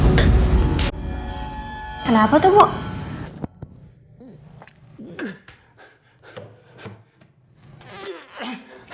tidak ada apa apa aku sudah berhenti